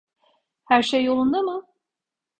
Herşey yolunda mı?